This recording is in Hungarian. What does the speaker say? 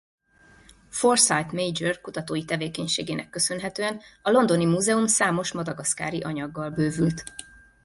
Forsyth Major kutatói tevékenységének köszönhetően a londoni múzeum számos madagaszkári anyaggal bővült.